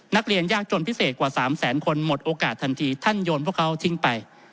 นักเรียนยากจนพิเศษกว่า๓แสนคนหมดโอกาสทันทีท่านโยนพวกเขาทิ้งไป